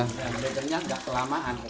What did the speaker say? blendernya tidak kelamaan